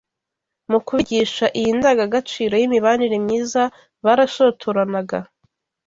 Mu kubigisha iyi ndangagaciro y’imibanire myiza barashotoranaga